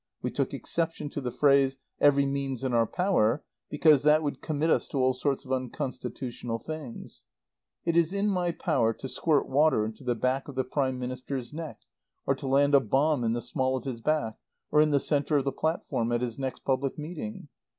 We took exception to the phrase 'every means in our power,' because that would commit us to all sorts of unconstitutional things. It is in my power to squirt water into the back of the Prime Minister's neck, or to land a bomb in the small of his back, or in the centre of the platform at his next public meeting.